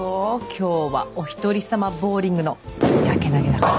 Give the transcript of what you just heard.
今日はおひとり様ボウリングのやけ投げだから。